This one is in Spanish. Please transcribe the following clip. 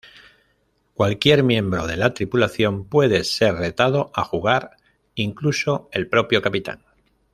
Cualquier miembro de la tripulación puede ser retado a jugar, incluso el propio capitán.